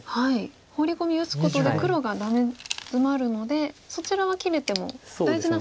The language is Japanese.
ホウリ込み打つことで黒がダメヅマるのでそちらは切れても大事な方は切れないと。